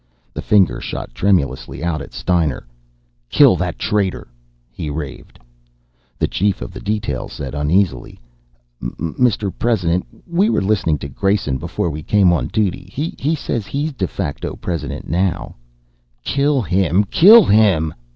The finger shot tremulously out at Steiner. "Kill that traitor!" he raved. The chief of the detail said uneasily: "Mr. President, we were listening to Grayson before we came on duty. He says he's de facto President now " "Kill him! Kill him!"